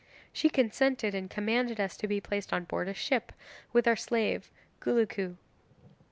She consented, and commanded us to be placed on board a ship, with our slave Gouloucou.